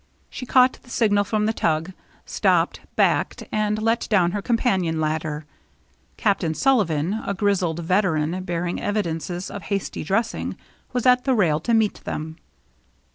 She caught the signal from the tug, stopped, backed, and let down her companion ladder. Captain Sullivan, a grizzled veteran, bearing evidences of hasty dressing, was at the rail to meet them.